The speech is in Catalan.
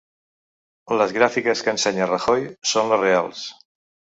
Les gràfiques que ensenya Rajoy són les reals